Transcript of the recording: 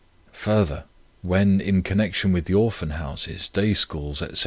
Further, when in connection with the Orphan Houses, Day Schools, etc.